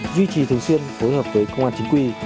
duy trì thường xuyên phối hợp với công an chính quy